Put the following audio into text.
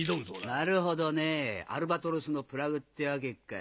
なるほどねアルバトロスのプラグってわけかい。